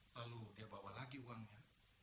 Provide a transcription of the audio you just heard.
lalu dia bawa lagi uangnya